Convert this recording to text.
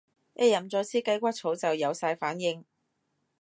一飲咗支雞骨草就有晒反應